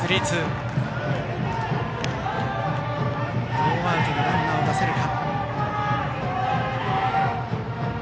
ノーアウトのランナーを出せるか。